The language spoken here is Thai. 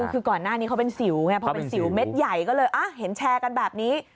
คือก่อนหน้านี้เขาเป็นสิวไงพอเป็นสิวเม็ดใหญ่ก็เลยเห็นแชร์กันแบบนี้